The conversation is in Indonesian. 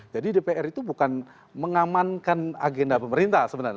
jadi dpr itu bukan mengamankan agenda pemerintah sebenarnya